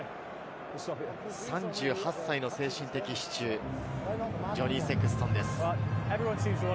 ３８歳の精神的支柱ジョニー・セクストンです。